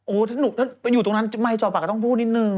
โอ้ถ้าหนูอยู่ตรงนั้นไมค์จอบปาก็ต้องพูดนิดนึง